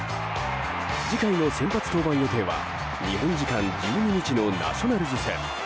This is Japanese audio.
次回の先発登板予定は日本時間１２日のナショナルズ戦。